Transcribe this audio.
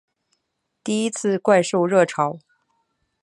第一次怪兽热潮